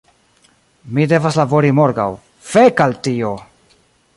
Mi devas labori morgaŭ, fek' al tio!